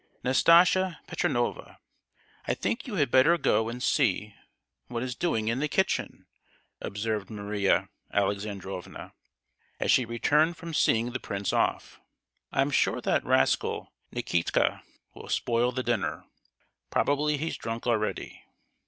"Nastasia Petrovna, I think you had better go and see what is doing in the kitchen!" observed Maria Alexandrovna, as she returned from seeing the prince off. "I'm sure that rascal Nikitka will spoil the dinner! Probably he's drunk already!"